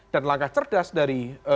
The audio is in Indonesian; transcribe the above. dan langkah cerdas dari